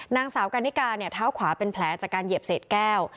นางสาวกันนิกาเนี่ยเท้าขวาเป็นแผลจากการเหยียบเศษแก้ว